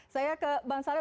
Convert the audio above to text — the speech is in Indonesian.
saya ke bang saleh